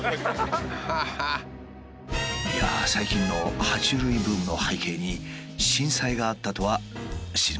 いやあ最近のは虫類ブームの背景に震災があったとは知りませんでした。